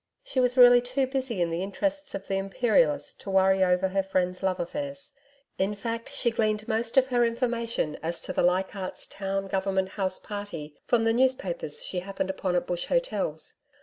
She was really too busy in the interests of the IMPERIALIST to worry over her friend's love affairs. In fact, she gleaned most of her information as to the Leichardt's Town Government House Party from the newspapers she happened upon at bush hotels.